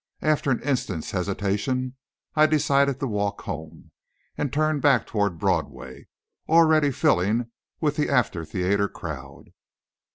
After an instant's hesitation, I decided to walk home, and turned back toward Broadway, already filling with the after theatre crowd.